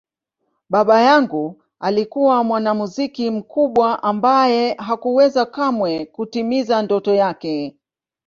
Baba yangu alikuwa mwanamuziki mkubwa ambaye hakuweza kamwe kutimiza ndoto yake.